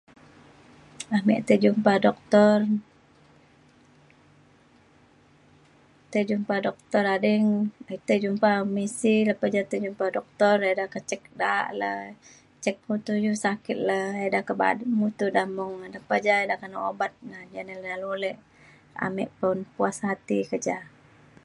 ame tai jumpa doctor tai jumpa doctor ading tai jumpa misi lepa ja tai jumpa doctor ida ke check la’a le check mutu iu sakit le. ida ke bada mutu da mung. lepa ja ida ke nak ubat na le ala ulek ame pa un puas hati ke ja